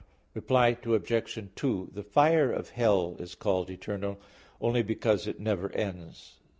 Reply Obj. 2: The fire of hell is called eternal, only because it never ends.